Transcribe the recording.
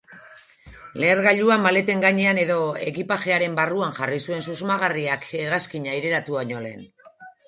Lehergailua maleten gainean edo ekipajearen barruan jarri zuen susmagarriak hegazkina aireratu baino lehen.